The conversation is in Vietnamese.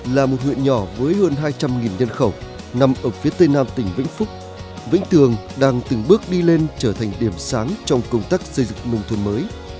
là một huyện nhỏ với hơn hai trăm linh nhân khẩu nằm ở phía tây nam tỉnh vĩnh phúc vĩnh tường đang từng bước đi lên trở thành điểm sáng trong công tác xây dựng nông thôn mới